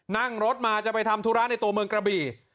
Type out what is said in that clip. นั่งรถมาจะไปทำธุระในตัวเมืองกระบี่